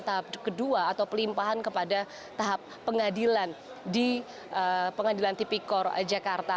tahap kedua atau pelimpahan kepada tahap pengadilan di pengadilan tipikor jakarta